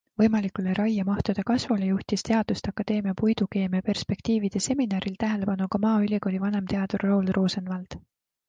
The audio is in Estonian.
Võimalikule raiemahtude kasvule juhtis Teaduste Akadeemia puidukeemia perspektiivide seminaril tähelepanu ka Maaülikooli vanemteadur Raul Rosenvald.